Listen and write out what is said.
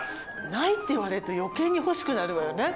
「ない」って言われると余計に欲しくなるわよね。